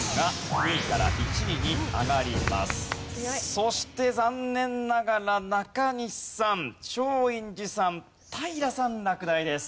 そして残念ながら中西さん松陰寺さん平さん落第です。